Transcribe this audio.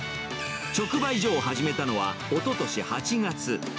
直売所を始めたのは、おととし８月。